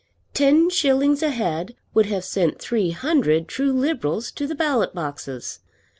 Ten shillings a head would have sent three hundred true Liberals to the ballot boxes!